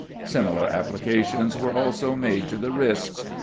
Similar applications were also made to the wrists.